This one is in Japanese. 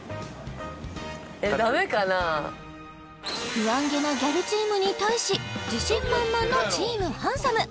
不安げなギャルチームに対し自信満々のチーム・ハンサム！